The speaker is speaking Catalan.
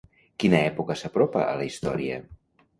Quina època s'apropa a la història?